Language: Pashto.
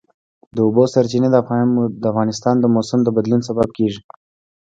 د اوبو سرچینې د افغانستان د موسم د بدلون سبب کېږي.